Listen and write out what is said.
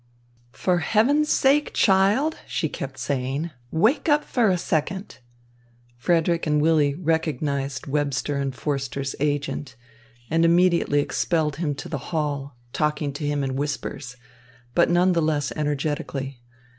"For Heaven's sake, child," she kept saying, "wake up for a second." Frederick and Willy recognised Webster and Forster's agent and immediately expelled him to the hall, talking to him in whispers, but none the less energetically.